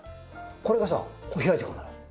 これがさ開いてくるのよ。